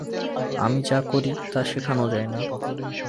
আমি যা করি তা শেখানো যায় না।